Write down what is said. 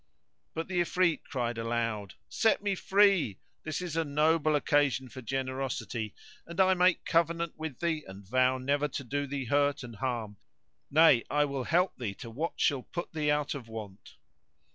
But the Ifrit cried aloud, "Set me free; this is a noble occasion for generosity and I make covenant with thee and vow never to do thee hurt and harm; nay, I will help thee to what shall put thee out of want."